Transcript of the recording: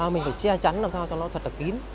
mình phải che chắn làm sao cho nó thật là kín